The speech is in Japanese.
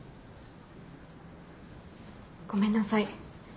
ごめんなさい。